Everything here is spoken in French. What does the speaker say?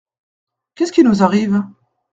Qu’est ce qui nous arrive ?